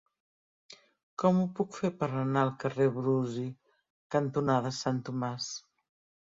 Com ho puc fer per anar al carrer Brusi cantonada Sant Tomàs?